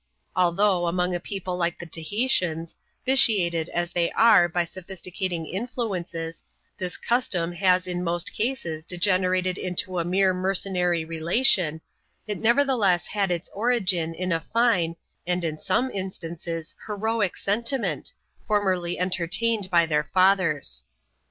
Although, among a people like the Tahitians, vitiated as they are by sophisticating inflncDcei^ this custom has in most cases degenerated into a mere mercenaij relation, it nevertheless had its origin in a fine, and in some in* stances, heroic sentiment, formerly entertained by their fathers.